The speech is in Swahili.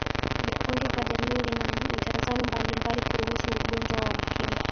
vikundi vya jamii vina mitazamo mbalimbali kuhusu ugonjwa wa ukimwi